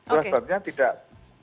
itu sebabnya tidak